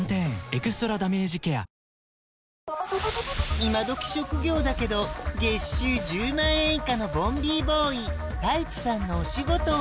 イマドキ職業だけど月収１０万円以下のボンビーボーイタイチさんのお仕事は？